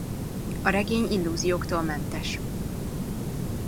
A regény illúzióktól mentes.